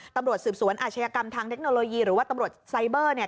ตำรวจสืบสวนอาชญากรรมทางเทคโนโลยีหรือว่าตำรวจไซเบอร์